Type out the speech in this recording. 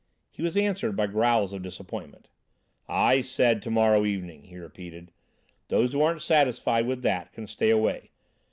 He was answered by growls of disappointment. "I said to morrow evening," he repeated. "Those who aren't satisfied with that can stay away.